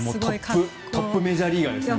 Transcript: トップメジャーリーガーですもん。